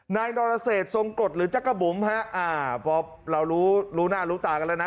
นายนรเศษทรงกฎหรือจักรบุ๋มฮะอ่าพอเรารู้รู้หน้ารู้ตากันแล้วนะ